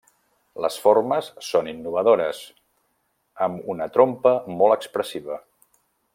Les formes són innovadores, amb una trompa molt expressiva.